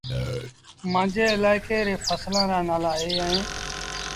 مآݩجي الآڪي ري ڦسلآن رآ نآلآ اي اهيݩ ۔